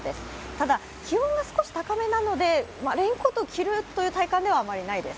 ただ気温が少し高めなのでレインコートを着るという体感ではあまりないです。